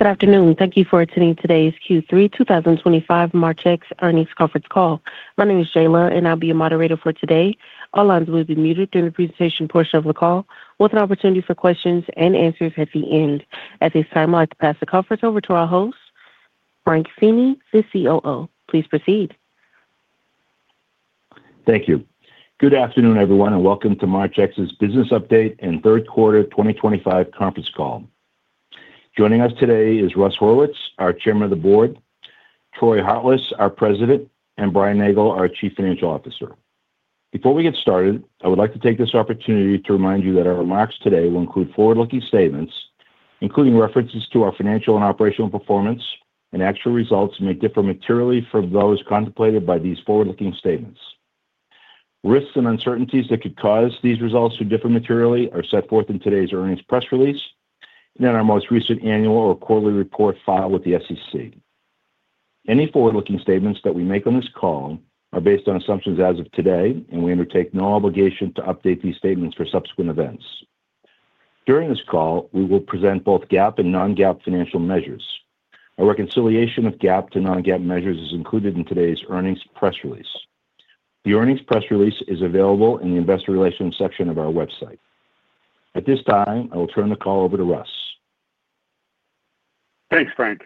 Good afternoon. Thank you for attending today's Q3 2025 Marchex Earnings Conference call. My name is Jayla, and I'll be your moderator for today. All lines will be muted during the presentation portion of the call, with an opportunity for questions and answers at the end. At this time, I'd like to pass the conference over to our host, Frank Feeney, the COO. Please proceed. Thank you. Good afternoon, everyone, and welcome to Marchex's Business Update and Third Quarter 2025 Conference Call. Joining us today is Russ Horowitz, our Chairman of the Board; Troy Hartless, our President; and Brian Nagle, our Chief Financial Officer. Before we get started, I would like to take this opportunity to remind you that our remarks today will include forward-looking statements, including references to our financial and operational performance, and actual results may differ materially from those contemplated by these forward-looking statements. Risks and uncertainties that could cause these results to differ materially are set forth in today's earnings press release and in our most recent annual or quarterly report filed with the SEC. Any forward-looking statements that we make on this call are based on assumptions as of today, and we undertake no obligation to update these statements for subsequent events. During this call, we will present both GAAP and Non-GAAP financial measures. A reconciliation of GAAP to non-GAAP measures is included in today's earnings press release. The earnings press release is available in the Investor Relations section of our website. At this time, I will turn the call over to Russ. Thanks, Frank.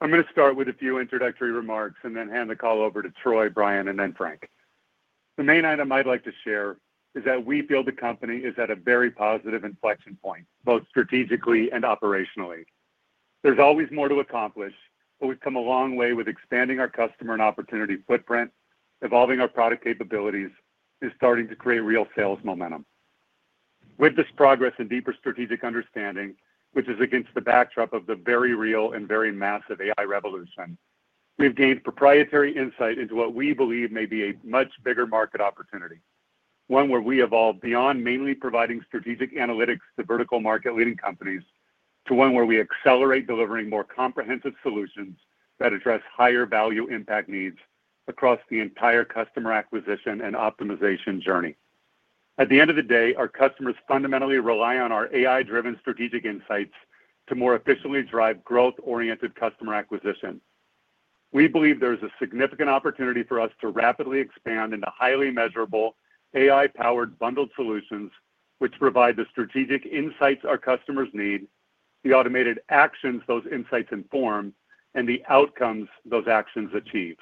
I'm going to start with a few introductory remarks and then hand the call over to Troy, Brian, and then Frank. The main item I'd like to share is that we feel the company is at a very positive inflection point, both strategically and operationally. There's always more to accomplish, but we've come a long way with expanding our customer and opportunity footprint, evolving our product capabilities, and starting to create real sales momentum. With this progress and deeper strategic understanding, which is against the backdrop of the very real and very massive AI revolution, we've gained proprietary insight into what we believe may be a much bigger market opportunity—one where we evolve beyond mainly providing strategic analytics to vertical market-leading companies to one where we accelerate delivering more comprehensive solutions that address higher value impact needs across the entire customer acquisition and optimization journey. At the end of the day, our customers fundamentally rely on our AI-driven strategic insights to more efficiently drive growth-oriented customer acquisition. We believe there is a significant opportunity for us to rapidly expand into highly measurable AI-powered bundled solutions, which provide the strategic insights our customers need, the automated actions those insights inform, and the outcomes those actions achieve.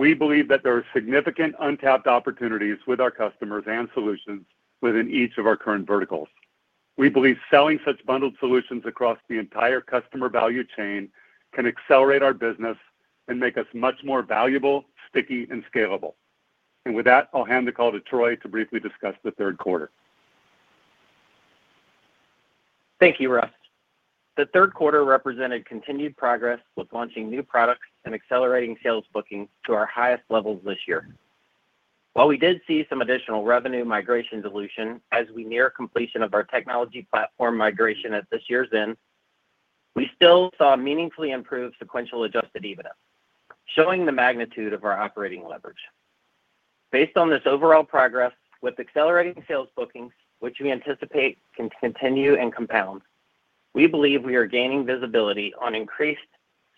We believe that there are significant untapped opportunities with our customers and solutions within each of our current verticals. We believe selling such bundled solutions across the entire customer value chain can accelerate our business and make us much more valuable, sticky, and scalable. With that, I'll hand the call to Troy to briefly discuss the third quarter. Thank you, Russ. The third quarter represented continued progress with launching new products and accelerating sales bookings to our highest levels this year. While we did see some additional revenue migration dilution as we near completion of our technology platform migration at this year's end, we still saw meaningfully improved sequential adjusted EBITDA, showing the magnitude of our operating leverage. Based on this overall progress, with accelerating sales bookings, which we anticipate can continue and compound, we believe we are gaining visibility on increased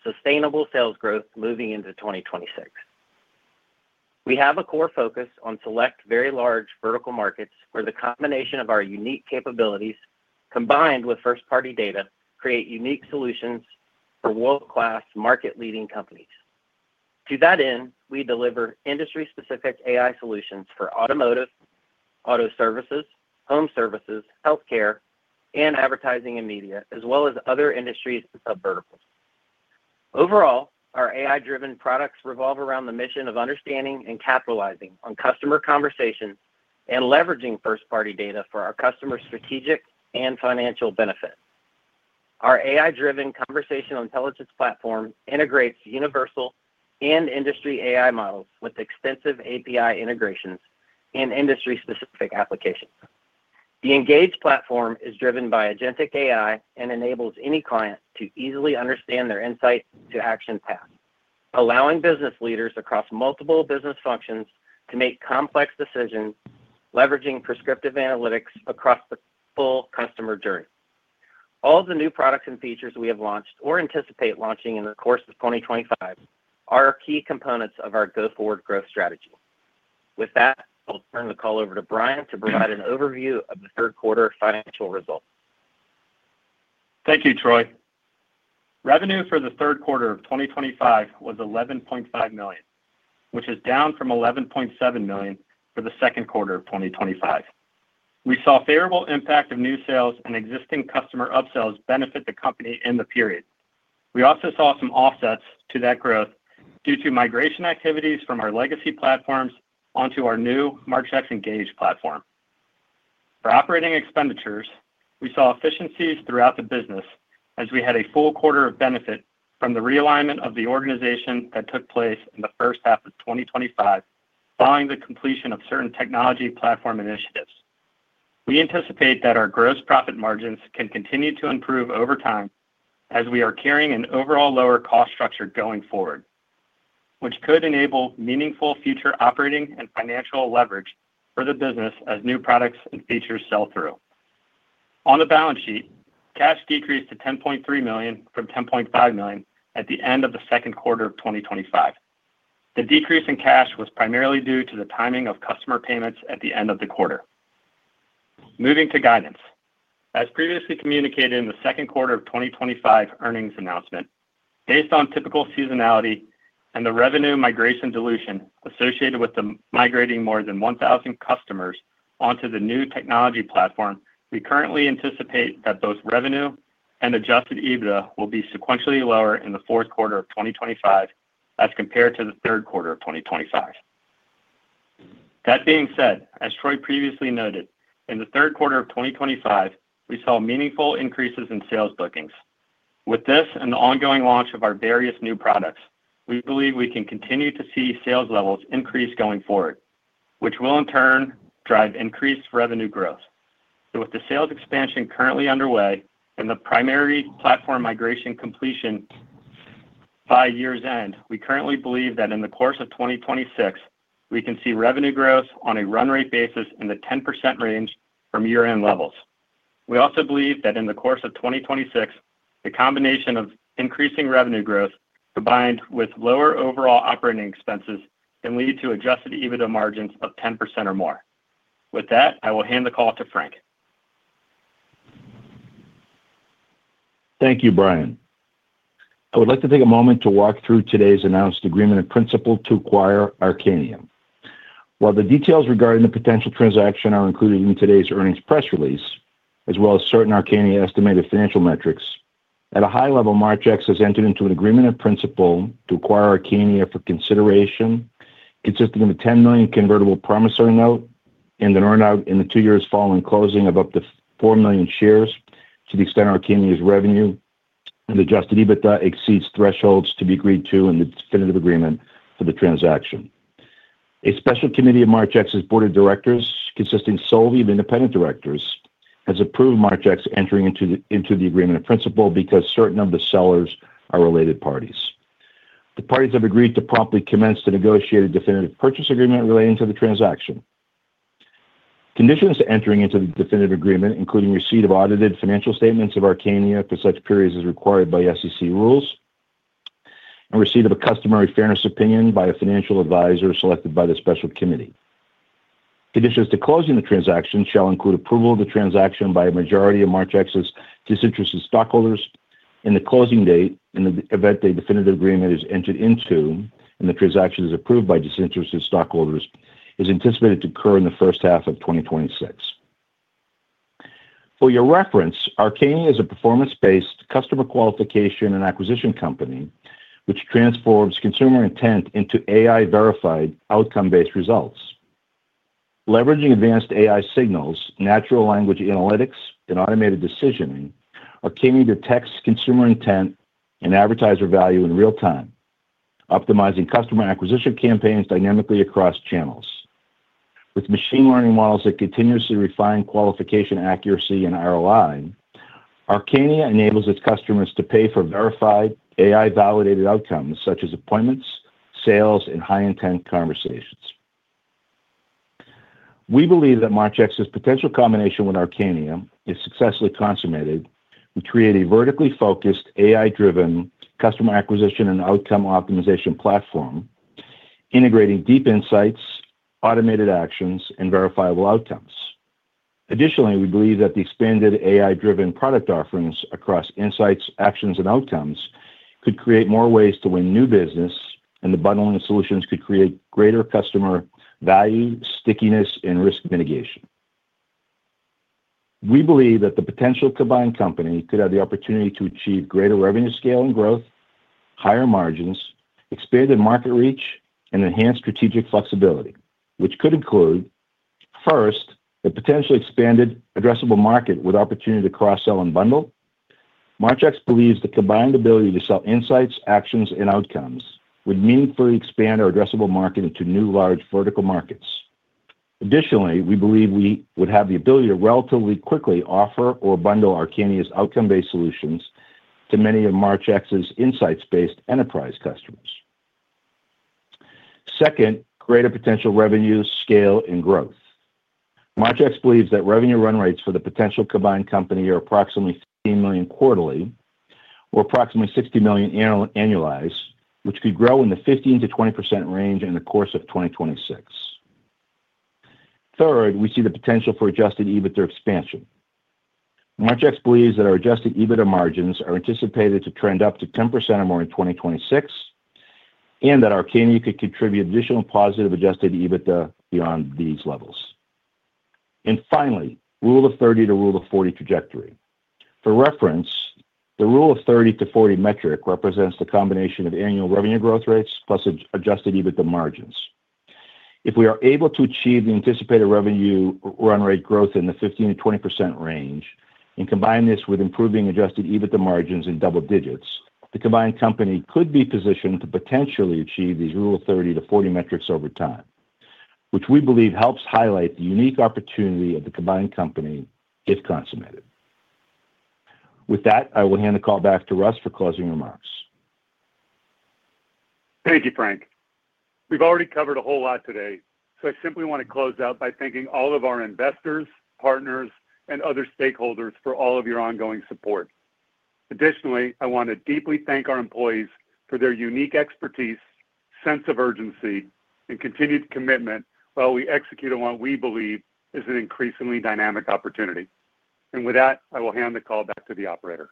sustainable sales growth moving into 2026. We have a core focus on select very large vertical markets where the combination of our unique capabilities, combined with first-party data, creates unique solutions for world-class market-leading companies. To that end, we deliver industry-specific AI solutions for automotive, auto services, home services, healthcare, and advertising and media, as well as other industries and sub-verticals. Overall, our AI-driven products revolve around the mission of understanding and capitalizing on customer conversations and leveraging first-party data for our customers' strategic and financial benefit. Our AI-driven conversational intelligence platform integrates universal and industry AI models with extensive API integrations and industry-specific applications. The Engage platform is driven by agentic AI and enables any client to easily understand their insight-to-action path, allowing business leaders across multiple business functions to make complex decisions, leveraging prescriptive analytics across the full customer journey. All of the new products and features we have launched or anticipate launching in the course of 2025 are key components of our go-forward growth strategy. With that, I'll turn the call over to Brian to provide an overview of the third quarter financial results. Thank you, Troy. Revenue for the third quarter of 2025 was $11.5 million, which is down from $11.7 million for the second quarter of 2025. We saw favorable impact of new sales and existing customer upsells benefit the company in the period. We also saw some offsets to that growth due to migration activities from our legacy platforms onto our new Marchex Engage platform. For operating expenditures, we saw efficiencies throughout the business as we had a full quarter of benefit from the realignment of the organization that took place in the first half of 2025 following the completion of certain technology platform initiatives. We anticipate that our gross profit margins can continue to improve over time as we are carrying an overall lower cost structure going forward, which could enable meaningful future operating and financial leverage for the business as new products and features sell through. On the balance sheet, cash decreased to $10.3 million from $10.5 million at the end of the second quarter of 2025. The decrease in cash was primarily due to the timing of customer payments at the end of the quarter. Moving to guidance. As previously communicated in the second quarter of 2025 earnings announcement, based on typical seasonality and the revenue migration dilution associated with migrating more than 1,000 customers onto the new technology platform, we currently anticipate that both revenue and adjusted EBITDA will be sequentially lower in the fourth quarter of 2025 as compared to the third quarter of 2025. That being said, as Troy previously noted, in the third quarter of 2025, we saw meaningful increases in sales bookings. With this and the ongoing launch of our various new products, we believe we can continue to see sales levels increase going forward, which will in turn drive increased revenue growth. With the sales expansion currently underway and the primary platform migration completion by year's end, we currently believe that in the course of 2026, we can see revenue growth on a run-rate basis in the 10% range from year-end levels. We also believe that in the course of 2026, the combination of increasing revenue growth combined with lower overall operating expenses can lead to adjusted EBITDA margins of 10% or more. With that, I will hand the call to Frank. Thank you, Brian. I would like to take a moment to walk through today's announced agreement of principle to acquire Arcaneum. While the details regarding the potential transaction are included in today's earnings press release, as well as certain Arcaneum estimated financial metrics, at a high level, Marchex has entered into an agreement of principle to acquire Arcaneum for consideration, consisting of a $10 million convertible promissory note and an earnout in the two years following closing of up to 4 million shares to the extent Arcaneum's revenue and adjusted EBITDA exceeds thresholds to be agreed to in the definitive agreement for the transaction. A special committee of Marchex's board of directors, consisting solely of independent directors, has approved Marchex entering into the agreement of principle because certain of the sellers are related parties. The parties have agreed to promptly commence the negotiated definitive purchase agreement relating to the transaction. Conditions to entering into the definitive agreement include receipt of audited financial statements of Arcaneum for such periods as required by SEC rules and receipt of a customary fairness opinion by a financial advisor selected by the special committee. Conditions to closing the transaction shall include approval of the transaction by a majority of Marchex's disinterested stockholders and the closing date in the event a definitive agreement is entered into and the transaction is approved by disinterested stockholders is anticipated to occur in the first half of 2026. For your reference, Arcaneum is a performance-based customer qualification and acquisition company which transforms consumer intent into AI-verified outcome-based results. Leveraging advanced AI signals, natural language analytics, and automated decisioning, Arcaneum detects consumer intent and advertiser value in real time, optimizing customer acquisition campaigns dynamically across channels. With machine learning models that continuously refine qualification accuracy and ROI, Arcaneum enables its customers to pay for verified AI-validated outcomes such as appointments, sales, and high-intent conversations. We believe that Marchex's potential combination with Arcaneum is successfully consummated to create a vertically focused, AI-driven customer acquisition and outcome optimization platform, integrating deep insights, automated actions, and verifiable outcomes. Additionally, we believe that the expanded AI-driven product offerings across insights, actions, and outcomes could create more ways to win new business, and the bundling of solutions could create greater customer value, stickiness, and risk mitigation. We believe that the potential combined company could have the opportunity to achieve greater revenue scale and growth, higher margins, expanded market reach, and enhanced strategic flexibility, which could include, first, the potentially expanded addressable market with opportunity to cross-sell and bundle. Marchex believes the combined ability to sell insights, actions, and outcomes would meaningfully expand our addressable market into new large vertical markets. Additionally, we believe we would have the ability to relatively quickly offer or bundle Arcaneum's outcome-based solutions to many of Marchex's insights-based enterprise customers. Second, greater potential revenue scale and growth. Marchex believes that revenue run rates for the potential combined company are approximately $15 million quarterly or approximately $60 million annualized, which could grow in the 15%-20% range in the course of 2026. Third, we see the potential for adjusted EBITDA expansion. Marchex believes that our adjusted EBITDA margins are anticipated to trend up to 10% or more in 2026 and that Arcaneum could contribute additional positive adjusted EBITDA beyond these levels. Finally, rule of 30 to rule of 40 trajectory. For reference, the rule of 30 to 40 metric represents the combination of annual revenue growth rates plus adjusted EBITDA margins. If we are able to achieve the anticipated revenue run rate growth in the 15%-20% range and combine this with improving adjusted EBITDA margins in double digits, the combined company could be positioned to potentially achieve these rule of 30 to 40 metrics over time, which we believe helps highlight the unique opportunity of the combined company if consummated. With that, I will hand the call back to Russ for closing remarks. Thank you, Frank. We've already covered a whole lot today, so I simply want to close out by thanking all of our investors, partners, and other stakeholders for all of your ongoing support. Additionally, I want to deeply thank our employees for their unique expertise, sense of urgency, and continued commitment while we execute on what we believe is an increasingly dynamic opportunity. With that, I will hand the call back to the operator.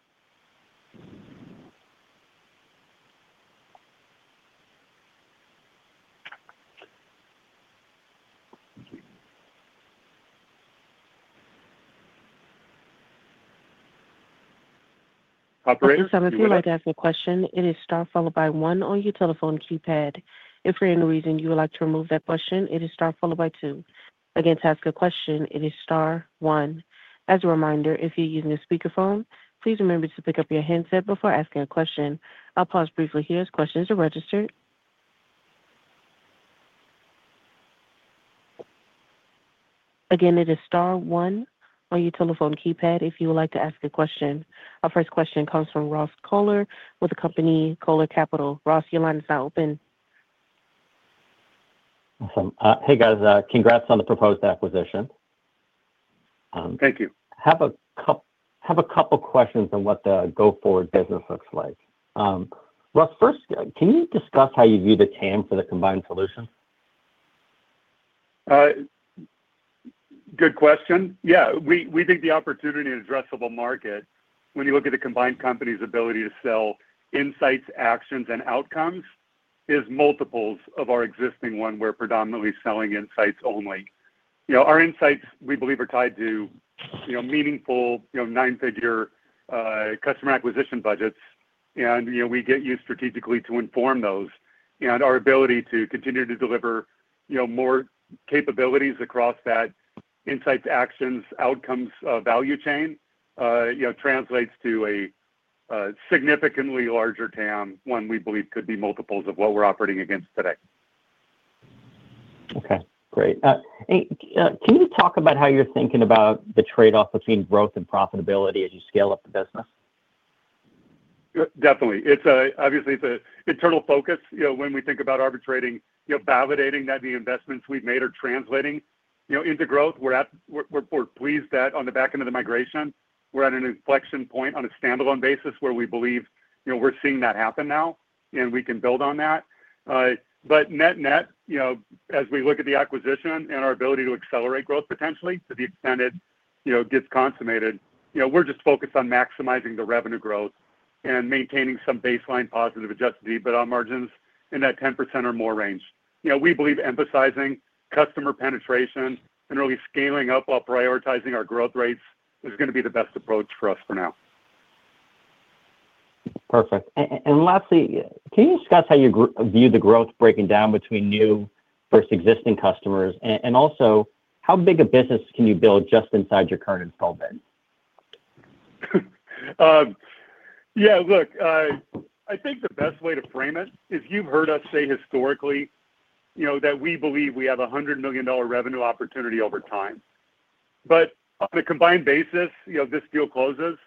Operator. If you'd like to ask a question, it is star followed by one on your telephone keypad. If for any reason you would like to remove that question, it is star followed by two. Again, to ask a question, it is star one. As a reminder, if you're using a speakerphone, please remember to pick up your handset before asking a question. I'll pause briefly here as questions are registered. Again, it is star one on your telephone keypad if you would like to ask a question. Our first question comes from Ross Caller with the company Caller Capital. Ross, your line is now open. Awesome. Hey, guys. Congrats on the proposed acquisition. Thank you. Have a couple of questions on what the go-forward business looks like. Russ, first, can you discuss how you view the TAM for the combined solution? Good question. Yeah. We think the opportunity in addressable market, when you look at the combined company's ability to sell insights, actions, and outcomes, is multiples of our existing one where we're predominantly selling insights only. Our insights, we believe, are tied to meaningful nine-figure customer acquisition budgets, and we get used strategically to inform those. Our ability to continue to deliver more capabilities across that insights, actions, outcomes value chain translates to a significantly larger TAM, one we believe could be multiples of what we're operating against today. Okay. Great. Can you talk about how you're thinking about the trade-off between growth and profitability as you scale up the business? Definitely. Obviously, it's an internal focus. When we think about arbitrating, validating that the investments we've made are translating into growth, we're pleased that on the back end of the migration, we're at an inflection point on a standalone basis where we believe we're seeing that happen now and we can build on that. Net-net, as we look at the acquisition and our ability to accelerate growth potentially to the extent it gets consummated, we're just focused on maximizing the revenue growth and maintaining some baseline positive adjusted EBITDA margins in that 10% or more range. We believe emphasizing customer penetration and really scaling up while prioritizing our growth rates is going to be the best approach for us for now. Perfect. Lastly, can you discuss how you view the growth breaking down between new versus existing customers? Also, how big a business can you build just inside your current installment? Yeah. Look, I think the best way to frame it is you've heard us say historically that we believe we have a $100 million revenue opportunity over time. On a combined basis, if this deal closes,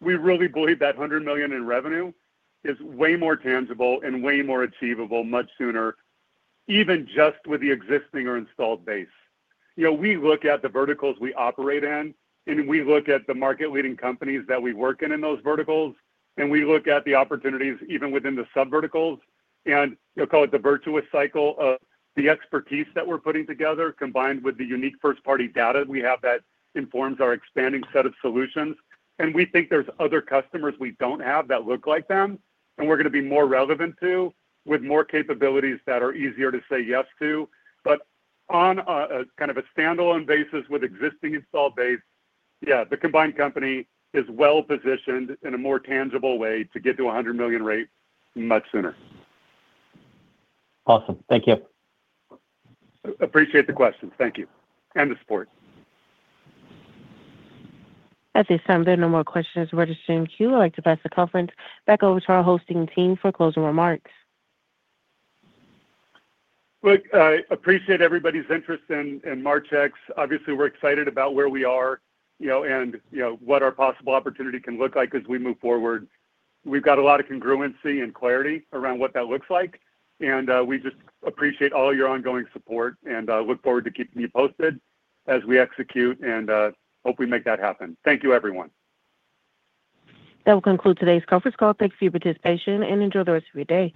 we really believe that $100 million in revenue is way more tangible and way more achievable much sooner, even just with the existing or installed base. We look at the verticals we operate in, and we look at the market-leading companies that we work in in those verticals, and we look at the opportunities even within the sub-verticals. You will call it the virtuous cycle of the expertise that we're putting together combined with the unique first-party data that we have that informs our expanding set of solutions. We think there are other customers we do not have that look like them and we are going to be more relevant to with more capabilities that are easier to say yes to. On a kind of standalone basis with existing installed base, yeah, the combined company is well-positioned in a more tangible way to get to a $100 million rate much sooner. Awesome. Thank you. Appreciate the questions. Thank you. And the support. As they sound, there are no more questions regarding them. If you would like to pass the conference back over to our hosting team for closing remarks. Look, I appreciate everybody's interest in Marchex. Obviously, we're excited about where we are and what our possible opportunity can look like as we move forward. We've got a lot of congruency and clarity around what that looks like. I just appreciate all your ongoing support and look forward to keeping you posted as we execute and hope we make that happen. Thank you, everyone. That will conclude today's conference call. Thank you for your participation and enjoy the rest of your day.